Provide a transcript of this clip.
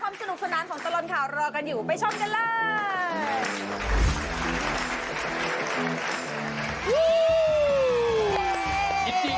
มารุ้นกันว่าคุณจะเป็นผู้โชคดีหรือไม่ค่ะ